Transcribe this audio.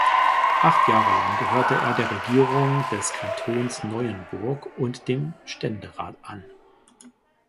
Acht Jahre lang gehörte er der Regierung des Kantons Neuenburg und dem Ständerat an.